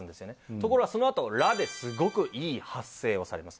ところがそのあと「ら」でスゴくいい発声をされます